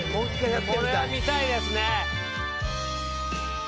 これは見たいですね。